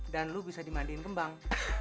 dan lo bisa dimandiin kembang